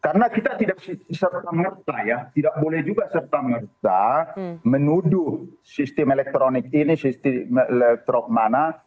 karena kita tidak serta merta ya tidak boleh juga serta merta menuduh sistem elektronik ini sistem elektronik mana